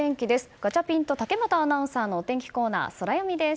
ガチャピンと竹俣アナウンサーのお天気コーナー、ソラよみです。